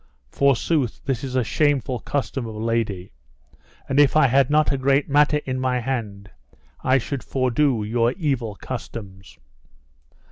Forsooth this is a shameful custom of a lady, and if I had not a great matter in my hand I should fordo your evil customs.